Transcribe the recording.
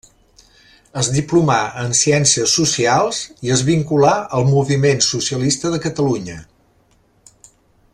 Es diplomà en ciències socials i es vinculà al Moviment Socialista de Catalunya.